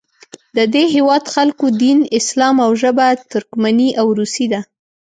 د دې هیواد خلکو دین اسلام او ژبه یې ترکمني او روسي ده.